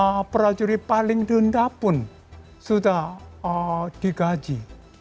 pada saat ini prajurit paling denda pun sudah digaji